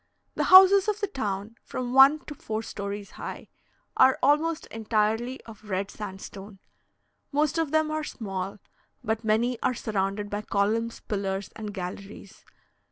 The houses of the town (from one to four stories high) are almost entirely of red sandstone; most of them are small, but many are surrounded by columns, pillars, and galleries.